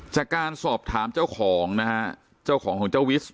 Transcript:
จากการสอบถามเจ้าของนะฮะเจ้าของของเจ้าวิส